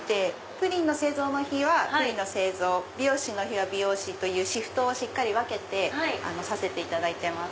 プリンの製造の日はプリンの製造美容師の日は美容師とシフトをしっかり分けてさせていただいてます。